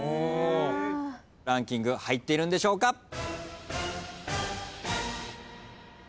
ランキング入っているんでしょうか。